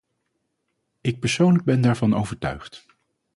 Ik persoonlijk ben daarvan overtuigd.